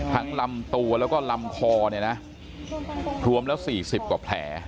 ทั้งลำตัวแล้วก็ลำคอถวมแล้ว๔๐กว่าแผล